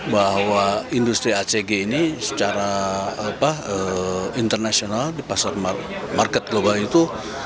bahwa industri acg ini secara internasional di pasar market global itu